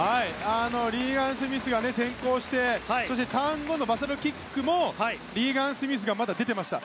リーガン・スミスが先行してそしてターン後のバサロキックもリーガン・スミス出ていました。